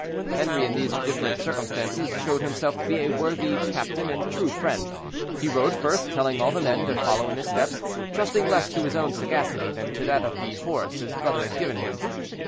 Henri, in these different circumstances, showed himself to be a worthy captain and true friend; he rode first, telling all the men to follow in his steps, trusting less to his own sagacity than to that of the horse his brother had given him.